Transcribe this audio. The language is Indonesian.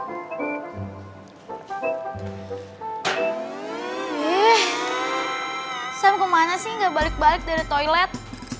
ih jangan jangan dia tidur di toilet